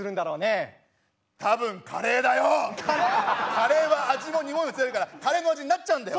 カレーは味もにおいも強いからカレーの味になっちゃうんだよ。